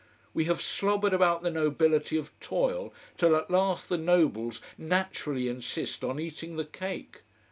We have slobbered about the nobility of toil, till at last the nobles naturally insist on eating the cake.